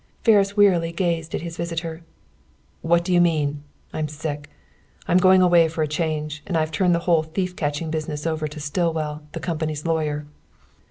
Ferris wearily gazed at his visitor. "What do you mean? I'm sick. I'm going away for a change, and I've turned the whole thief catching business over to Stillwell, the company's lawyer."